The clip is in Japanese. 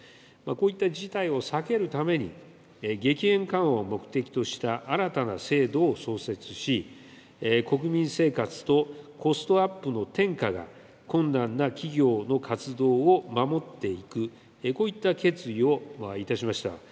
こういった事態を避けるために、激変緩和を目的とした新たな制度を創設し、国民生活とコストアップの転嫁が困難な企業の活動を守っていく、こういった決意をいたしました。